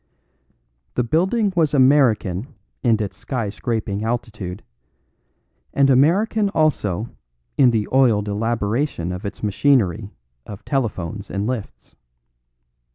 The building was American in its sky scraping altitude, and American also in the oiled elaboration of its machinery of telephones and lifts.